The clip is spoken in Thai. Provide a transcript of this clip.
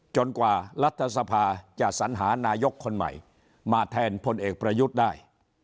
กว่ารัฐสภาจะสัญหานายกคนใหม่มาแทนพลเอกประยุทธ์ได้